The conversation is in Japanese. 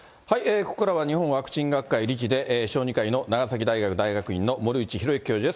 ここからは日本ワクチン学会理事で、小児科医の長崎大学大学院の森内浩幸教授です。